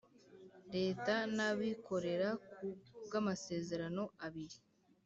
Leta n abikorera ku bw amasezerano abiri